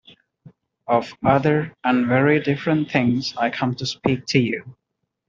Of other and very different things I come to speak to you.